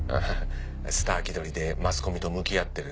スター気取りでマスコミと向き合ってる。